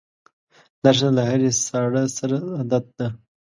دښته له هرې ساړه سره عادت ده.